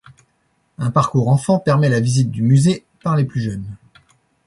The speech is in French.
Un parcours enfant permet la visite du musée par les plus jeunes.